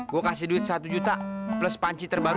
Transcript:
gue kasih duit satu juta plus panci terbaru